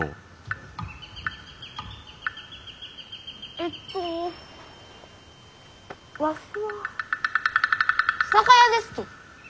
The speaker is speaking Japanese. えっとわしは酒屋ですき。